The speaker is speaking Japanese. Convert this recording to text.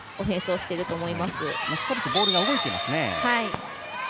しっかりとボールが動いていますね。